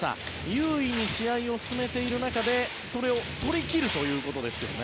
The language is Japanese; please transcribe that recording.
優位に試合を進めている中でそれをとりきるということですよね。